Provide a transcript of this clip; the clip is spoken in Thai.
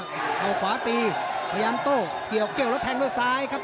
เอาขวาตีพยายามโต้เกี่ยวเกี่ยวแล้วแทงด้วยซ้ายครับ